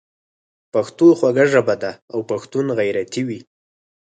پښتو خوږه ژبه ده او پښتون غیرتي وي.